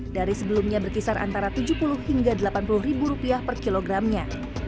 dari sebelumnya berkisar antara rp tujuh puluh hingga rp delapan puluh ribu rupiah per kilogramnya